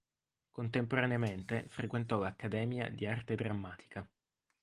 Contemporaneamente frequentò l'accademia di arte drammatica.